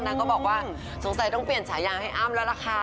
แหน่งก็บอกว่าสงสัยต้องเปลี่ยนชายางให้อ้าวล่ะค้า